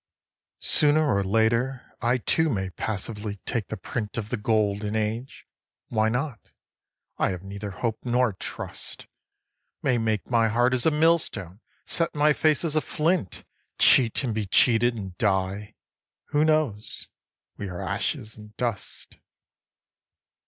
8. Sooner or later I too may passively take the print Of the golden age why not? I have neither hope nor trust; May make my heart as a millstone, set my face as a flint, Cheat and be cheated, and die: who knows? we are ashes and dust.